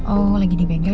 oh lagi di bengkel